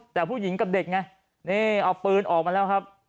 แต่ผู้หญิงกับเด็กไงนี่เอาปืนออกมาแล้วครับ